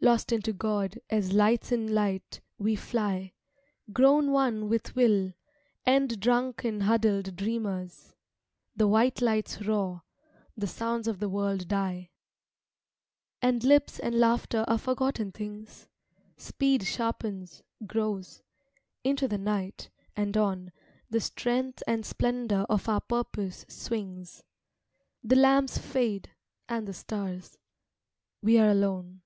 Lost into God, as lights in light, we fly, Grown one with will, end drunken huddled dreamers. The white lights roar. The sounds of the world die. And lips and laughter are forgotten things. Speed sharpens; grows. Into the night, and on, The strength and splendour of our purpose swings. The lamps fade; and the stars. We are alone.